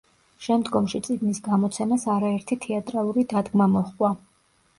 შემდგომში წიგნის გამოცემას არაერთი თეატრალური დადგმა მოჰყვა.